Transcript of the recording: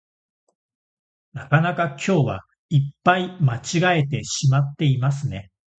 なかなか今日はいっぱい間違えてしまっていますね